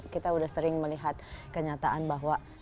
kita sudah sering melihat kenyataan bahwa